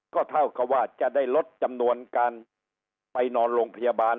ก็เท่ากับว่าจะได้ลดจำนวนการไปนอนโรงพยาบาล